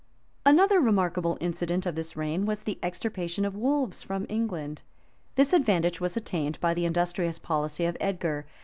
Another remarkable incident of this reign was the extirpation of wolves from England. This advantage was attained by the industrious policy of Edgar.